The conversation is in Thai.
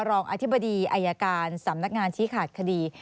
รองอธิบดีอายการสำนักงานชี้ขาดคดี